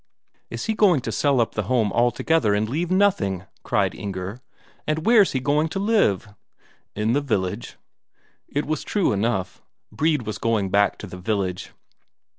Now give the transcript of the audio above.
"Is he going to sell up the home altogether and leave nothing?" cried Inger. "And where's he going to live?" "In the village." It was true enough. Brede was going back to the tillage.